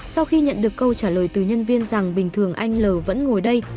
sau khi nhận được câu trả lời từ nhân viên rằng bình thường anh l vẫn ngồi đây